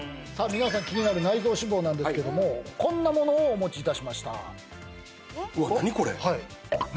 皆さん気になる内臓脂肪なんですけどもこんなものをお持ちいたしましたえっうわっ何？